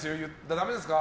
ダメですか。